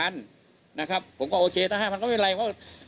นะครับผมก็โอเคตั้ง๕๐๐๐ก็ไม่เป็นไรเพราะว่า